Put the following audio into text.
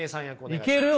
いける？